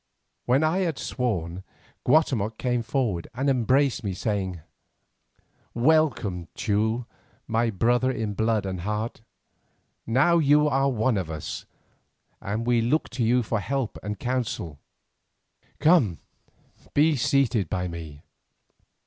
When I had sworn Guatemoc came forward and embraced me, saying: "Welcome, Teule, my brother in blood and heart. Now you are one of us, and we look to you for help and counsel. Come, be seated by me."